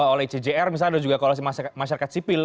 oleh cjr misalnya ada juga keolah masyarakat sipil